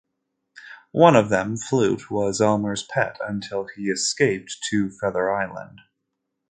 One of them, Flute, was Elmer's pet until he escaped to Feather Island.